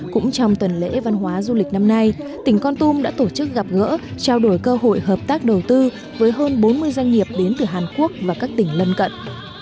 cũng trong tuần lễ văn hóa du lịch năm nay tỉnh con tum đã tổ chức gặp gỡ trao đổi cơ hội hợp tác đầu tư với hơn bốn mươi doanh nghiệp đến từ hàn quốc và các tỉnh lân cận